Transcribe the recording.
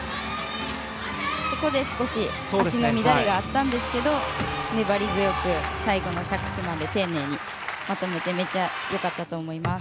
途中で足の乱れがあったんですが粘り強く最後の着地まで丁寧にまとめてめっちゃよかったと思います。